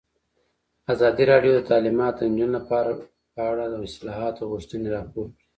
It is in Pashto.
ازادي راډیو د تعلیمات د نجونو لپاره په اړه د اصلاحاتو غوښتنې راپور کړې.